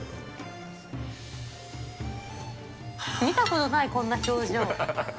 見たことない、こんな表情。